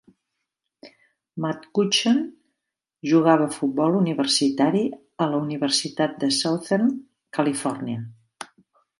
McCutcheon jugava a futbol universitari a la Universitat de Southern California.